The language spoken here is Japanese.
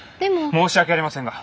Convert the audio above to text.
申し訳ありませんが。